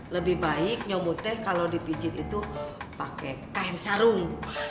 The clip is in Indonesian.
lebih baik nyoboteh kalo dipijit itu pake kain sarung